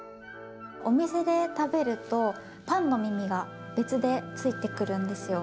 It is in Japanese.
お店で食べると、パンの耳が別でついてくるんですよ。